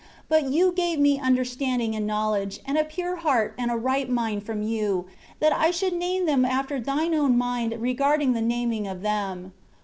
But You gave me understanding and knowledge, and a pure heart and a right mind from you, that I should name them after Thine own mind regarding the naming of them.